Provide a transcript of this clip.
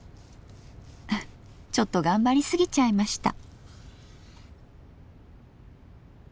ちょっと頑張りすぎちゃいました。